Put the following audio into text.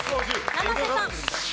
生瀬さん。